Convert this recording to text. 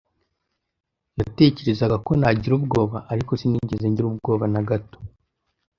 Natekerezaga ko nagira ubwoba ariko sinigeze ngira ubwoba na gato.